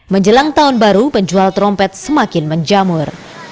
menjelang tahun baru penjual trompet semakin menjamur